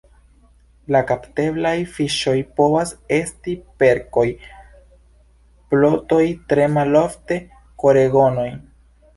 La kapteblaj fiŝoj povas esti perkoj, plotoj, tre malofte koregonoj.